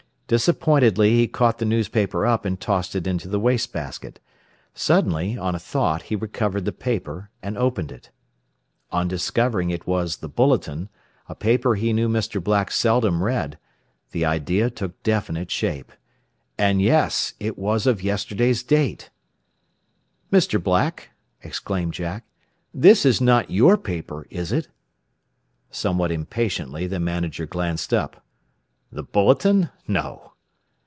Disappointedly he caught the newspaper up and tossed it into the waste basket. Suddenly, on a thought, he recovered the paper, and opened it. On discovering it was the "Bulletin," a paper he knew Mr. Black seldom read, the idea took definite shape. And, yes, it was of yesterday's date! "Mr. Black," exclaimed Jack, "this is not your paper, is it?" Somewhat impatiently the manager glanced up. "The 'Bulletin'? No."